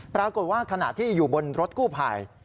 ปรากฏว่าขณะที่อยู่บนรถกู้ภัย